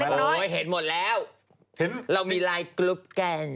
โอ้ยเห็นหมดแล้วเรามีไลน์กรุ๊บแกล้ง